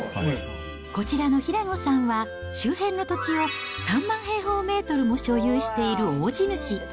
こちらの平野さんは、周辺の土地を３万平方メートルも所有している大地主。